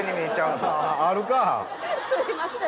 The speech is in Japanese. すいません。